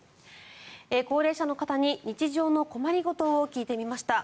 高齢者の方に日常の困り事を聞いてみました。